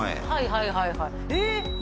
はいはいはいえ！